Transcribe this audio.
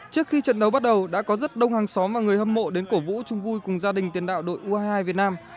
trước khi trận đấu bắt đầu đã có rất đông hàng xóm và người hâm mộ đến cổ vũ chung vui cùng gia đình tiền đạo đội u hai mươi hai việt nam